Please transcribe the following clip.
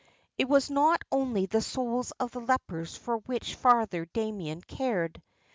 It was not only the souls of the lepers for which Father Damien cared.